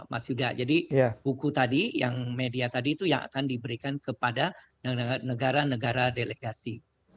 mas yuda jadi buku tadi yang media tadi itu yang akan diberikan kepada negara negara delegasi